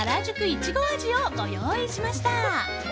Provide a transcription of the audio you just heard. いちご味をご用意しました。